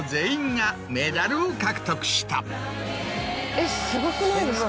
えっすごくないですか。